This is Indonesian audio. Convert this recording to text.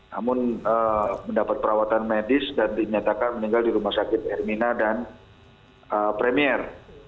namun mendapat perawatan medis dan dinyatakan meninggal di rumah sakit hermina dan premier